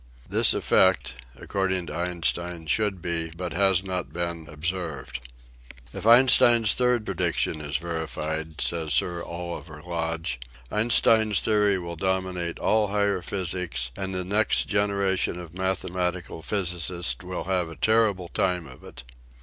This effect, according to Einstein, should be, but has not been, observed. " If Einstein's third prediction is verified,'V says. Sir Oliver Lodge, " Einstein's theory will dominate all higher physics and the next generation of mathemati cal physicists will have a terrible time of it.